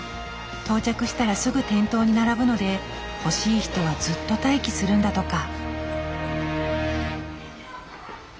到着したらすぐ店頭に並ぶので欲しい人はずっと待機するんだとか。